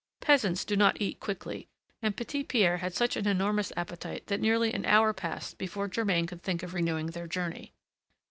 Peasants do not eat quickly, and Petit Pierre had such an enormous appetite that nearly an hour passed before Germain could think of renewing their journey.